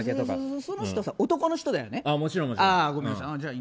その人さ、男の人だよね？